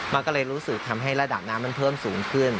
มันก็เลยรู้สึกทำให้ระดับน้ำมันเพิ่มสูงขึ้น